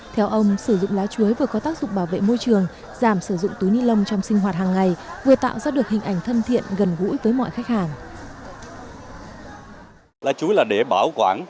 theo ông sử dụng lá chuối vừa có tác dụng bảo vệ môi trường giảm sử dụng túi ni lông trong sinh hoạt hàng ngày vừa tạo ra được hình ảnh thân thiện gần gũi với mọi khách hàng